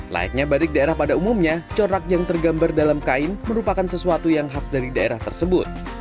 layaknya batik daerah pada umumnya corak yang tergambar dalam kain merupakan sesuatu yang khas dari daerah tersebut